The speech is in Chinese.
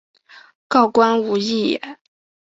告官无益也。